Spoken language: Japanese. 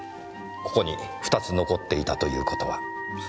ここに２つ残っていたという事は。